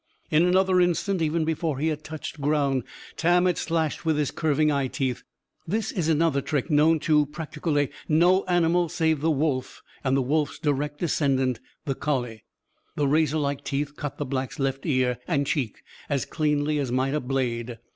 In another instant, even before he had touched ground, Tam had slashed with his curving eyeteeth. This is another trick known to practically no animal save the wolf and the wolf's direct descendant, the collie. The razorlike teeth cut the Black's left ear and cheek as cleanly as might a blade.